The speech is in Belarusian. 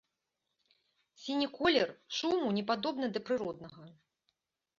Сіні колер шуму не падобны да прыроднага.